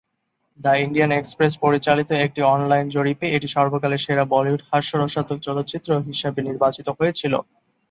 The Indian Express পরিচালিত একটি online জরিপে এটি সর্বকালের সেরা বলিউড হাস্যরসাত্মক চলচ্চিত্র হিসাবে নির্বাচিত হয়েছিল।